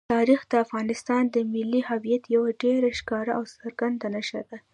تاریخ د افغانستان د ملي هویت یوه ډېره ښکاره او څرګنده نښه ده.